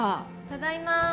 ただいま